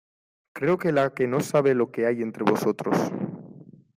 creo que la que no sabe lo que hay entre vosotros